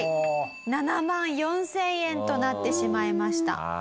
７万４０００円となってしまいました。